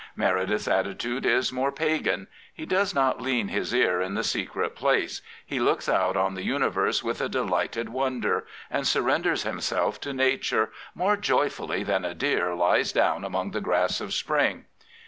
Meredith's attitude is more Pagan. He does not lean his ear in the secret place. He looks out on the universe with a delighted wonder, and surrenders himselT'to Nature " more joyfully than a deer lies down among the grass of spring."